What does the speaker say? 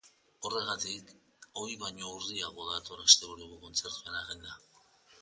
Horregatik, ohi baino urriago dator asteburuko kontzertuen agenda.